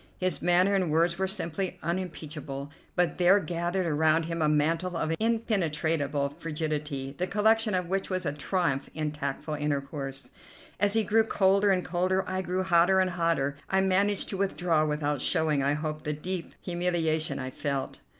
His manner and words were simply unimpeachable, but there gathered around him a mantle of impenetrable frigidity the collection of which was a triumph in tactful intercourse. As he grew colder and colder, I grew hotter and hotter. I managed to withdraw without showing, I hope, the deep humiliation I felt.